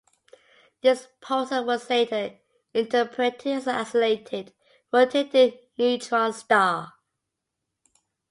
This pulsar was later interpreted as an isolated, rotating neutron star.